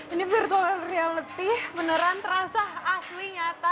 ini virtual reality beneran terasa asli nyata